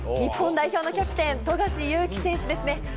日本代表のキャプテン・富樫勇樹選手です。